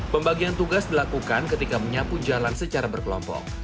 pembagian tugas dilakukan ketika menyapu jalan secara berkelompok